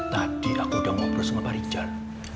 tadi aku udah ngobrol sama pak richard